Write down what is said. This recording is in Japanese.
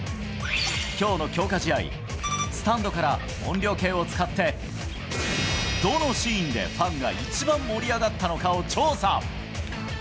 きょうの強化試合、スタンドから音量計を使って、どのシーンでファンが一番盛り上がったのかを調査。